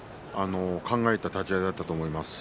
考えた立ち合いだったと思います。